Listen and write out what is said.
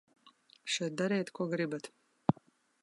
Šeit dariet, ko gribat.